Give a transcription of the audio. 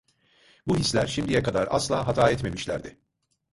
Bu hisler şimdiye kadar asla hata etmemişlerdi.